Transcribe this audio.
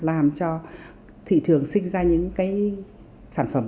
làm cho thị trường sinh ra những sản phẩm